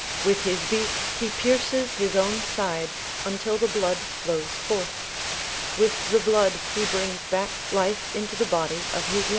With his beak he pierces his own side, until the blood flows forth. With the blood he brings back life into the body of his young.